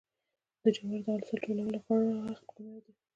د جوارو د حاصل ټولولو غوره وخت کوم دی؟